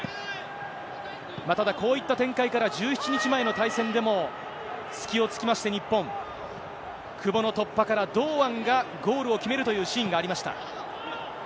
ただ、こういった展開から、１７日前の対戦でも隙をつきまして、日本、久保の突破から、堂安がゴールを決めるというシーンがありました。